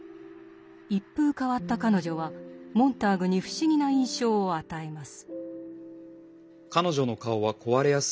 一風変わった彼女はモンターグに不思議な印象を与えます。